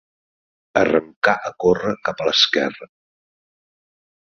Arrencà a córrer cap a l'esquerra.